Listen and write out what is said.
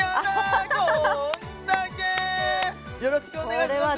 よろしくお願いします